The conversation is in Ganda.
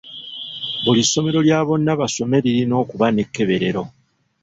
Buli ssomero lya bonnabasome lirina okuba n'ekkeberero.